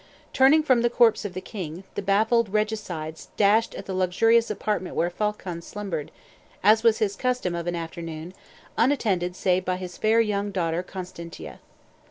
Turning from the corpse of the king, the baffled regicides dashed at the luxurious apartment where Phaulkon slumbered, as was his custom of an afternoon, unattended save by his fair young daughter Constantia.